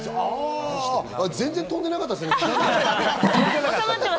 全然、飛んでなかったっすね。